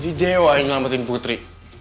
dia dewa yang ngelametin putri